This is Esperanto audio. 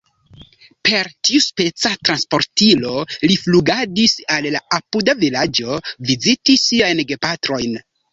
Per tiuspeca transportilo li flugadis al la apuda vilaĝo viziti siajn gepatrojn.